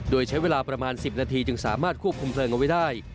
โดยใช้เวลาประมาณ๑๐นาทีจึงสามารถควบคุมเพลิงเอาไว้ได้